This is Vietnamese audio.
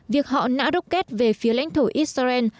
việc họ nã đốc kết về phía lãnh thổ israel